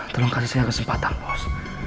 tolong kasih saya kesempatan bos